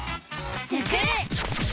「スクる！」。